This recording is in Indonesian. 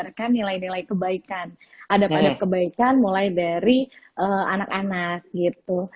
mendengarkan nilai nilai kebaikan adab adab kebaikan mulai dari anak anak gitu